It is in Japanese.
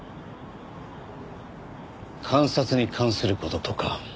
監察に関する事とか。